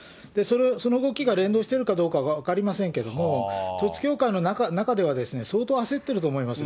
その動きが連動しているかどうかは分かりませんけれども、統一教会の中では相当焦ってると思います。